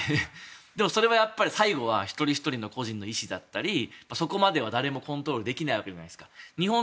でもそれは最後は一人ひとりの個人の意思だったりそこまでは誰もコントロールできないわけじゃないですか。